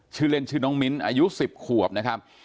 ชื่อเล่นชื่อน้องมิ้นอายุ๑๐ขวบนะครับ